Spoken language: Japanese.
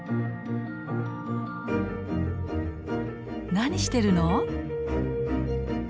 何してるの？